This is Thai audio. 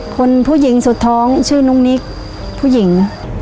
คนผู้หญิงสุดท้องชื่อน้องนิกผู้หญิง